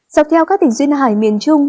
dọc theo các tỉnh duyên hải miền trung